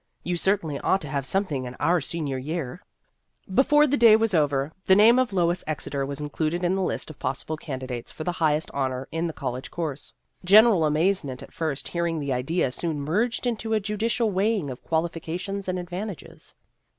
You certainly ought to have something in our senior year." Before the day was over, the name of Lois Exeter was included in the list of The History of an Ambition 49 possible candidates for the highest honor in the college course. General amaze ment at first hearing the idea soon merged into a judicial weighing of quali fications and advantages.